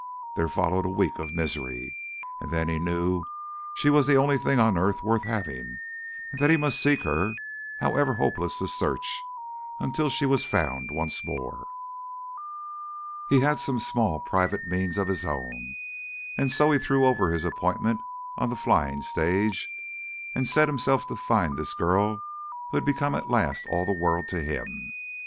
There followed a week of misery. And then he knew she was the only thing on earth worth having, and that he must seek her, however hopeless the search, until she was found once more. He had some small private means of his own, and so he threw over his appointment on the flying stage, and set himself to find this girl who had become at last all the world to him.